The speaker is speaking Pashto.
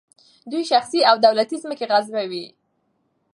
دوی شخصي او دولتي ځمکې غصبوي.